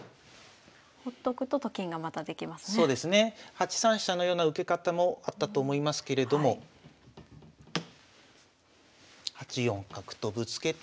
８三飛車のような受け方もあったと思いますけれども８四角とぶつけて。